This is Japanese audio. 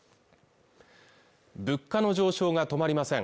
物価の上昇が止まりません